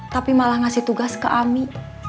tapi malah ngasih tugas ke ami